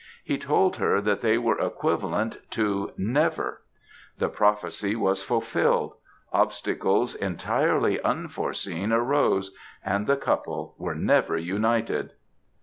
He told her that they were equivalent to never. The prophecy was fulfilled; obstacles entirely unforseen arose, and the couple were never united."